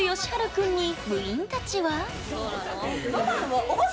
君に、部員たちは。